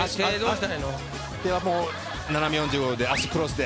手は斜め４５度で足クロスで。